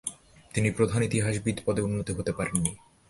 তিনি প্রধান ইতিহাসবিদ পদে উন্নীত হতে পারেননি।